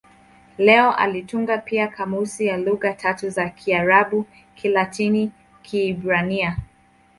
Leo alitunga pia kamusi ya lugha tatu za Kiarabu-Kilatini-Kiebrania.